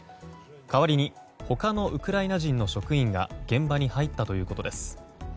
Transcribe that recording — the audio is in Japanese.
代わりに他のウクライナ人の職員が現場に入ったということです。